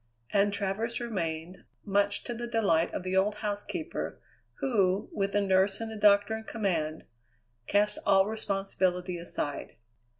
And Travers remained, much to the delight of the old housekeeper, who, with a nurse and a doctor in command, cast all responsibility aside.